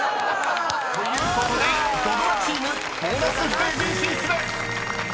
［ということで土ドラチームボーナスステージ進出です！］